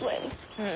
うん。